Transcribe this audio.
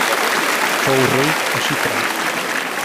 Fou rei a Xipre.